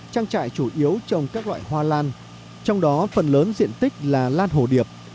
trang trại chủ yếu trồng các loại hoa lan trong đó phần lớn diện tích là lan hồ điệp